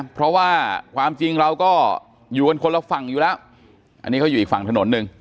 เพราะว่าความจริงเราก็อยู่กันคนละฝั่งอยู่แล้วอันนี้เขาอยู่อีกฝั่งถนนหนึ่ง